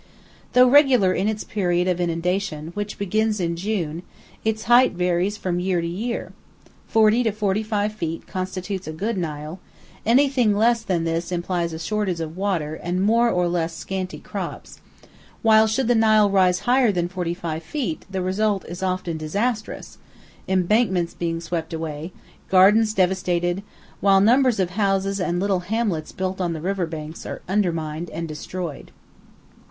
Though regular in its period of inundation, which begins in June, its height varies from year to year; 40 to 45 feet constitutes a good Nile anything less than this implies a shortage of water and more or less scanty crops; while should the Nile rise higher than 45 feet the result is often disastrous, embankments being swept away, gardens devastated, while numbers of houses and little hamlets built on the river banks are undermined and destroyed.